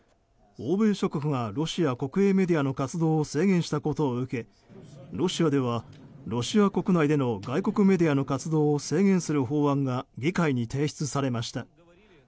欧米諸国がロシア国営メディアの活動を制限したことを受け、ロシアではロシア国内での外国メディアの活動を制限する法案が議会に提出されました。